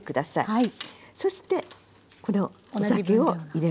はい。